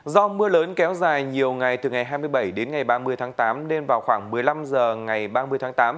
do mưa lớn kéo dài nhiều ngày từ ngày hai mươi bảy đến ngày ba mươi tháng tám nên vào khoảng một mươi năm h ngày ba mươi tháng tám